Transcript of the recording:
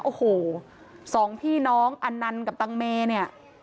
โอ้โหสองพี่น้องอันนันต์กับตังเมเนี่ย